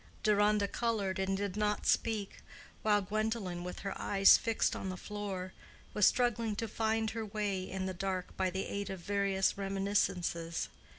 Deronda colored, and did not speak, while Gwendolen, with her eyes fixed on the floor, was struggling to find her way in the dark by the aid of various reminiscences.